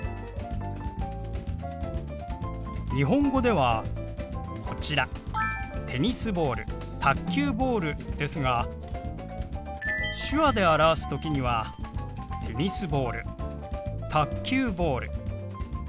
日本語ではこちら「テニスボール」「卓球ボール」ですが手話で表す時には「テニスボール」「卓球ボール」。